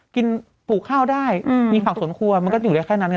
ปลูกข้าวได้มีผักสวนครัวมันก็อยู่ได้แค่นั้นไง